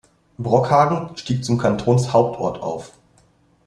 Brockhagen stieg zum Kantonshauptort auf.